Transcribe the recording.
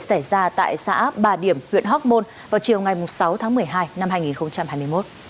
xảy ra tại xã bà điểm huyện hóc môn vào chiều ngày sáu tháng một mươi hai năm hai nghìn hai mươi một